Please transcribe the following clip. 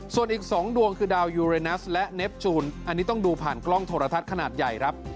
ส่วนอีก๒ดวงคือดาวยูเรนัสและเน็บจูนอันนี้ต้องดูผ่านกล้องโทรทัศน์ขนาดใหญ่ครับ